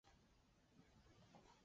属犍为郡。